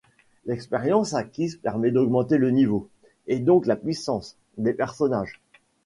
L'expérience acquise permet d'augmenter le niveau, et donc la puissance, des personnages.